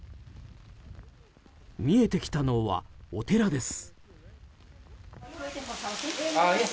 見えてきたのは、お寺です。